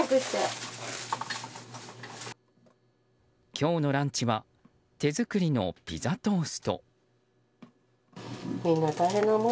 今日のランチは手作りのピザトースト。